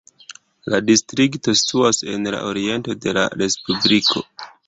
La distrikto situas en la oriento de la respubliko.